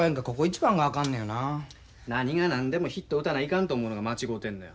何が何でもヒット打たないかんと思うのが間違うてんのや。